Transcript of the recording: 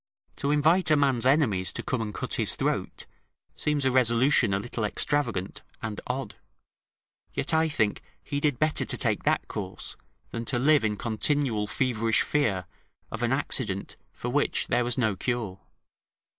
To invite a man's enemies to come and cut his throat, seems a resolution a little extravagant and odd; and yet I think he did better to take that course, than to live in continual feverish fear of an accident for which there was no cure.